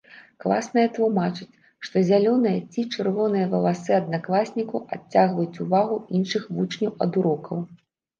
Класная тлумачыць, што зялёныя ці чырвоныя валасы аднакласнікаў адцягваюць увагу іншых вучняў ад урокаў.